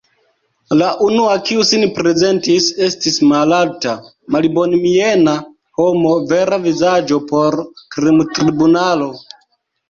La unua, kiu sin prezentis, estis malalta, malbonmiena homo; vera vizaĝo por krimtribunalo.